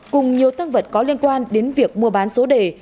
cùng nhiều tăng vật có liên quan đến việc mua bán số đề